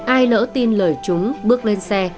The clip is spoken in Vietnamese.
ai lỡ tin lời chúng bước lên xe